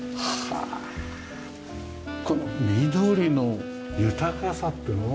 あこの緑の豊かさっていうの。